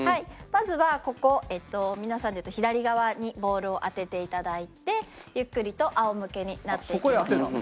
まずはここ皆さんでいうと左側にボールを当てて頂いてゆっくりと仰向けになっていきましょう。